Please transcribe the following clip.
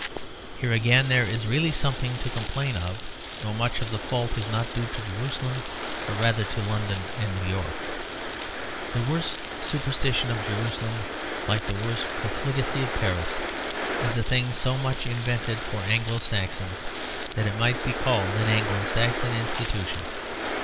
Here again there is really something to complain of; though much of the fault is not due to Jerusalem, but rather to London and New York. The worst superstition of Jerusalem, like the worst profligacy of Paris, is a thing so much invented for Anglo Saxons that it might be called an Anglo Saxon institution.